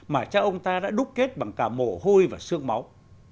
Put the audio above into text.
mà cha ông ta đã đúc kết bằng cả mồ hôi và xương máu